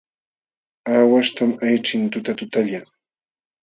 Aawaśhtam ayćhin tutatutalla.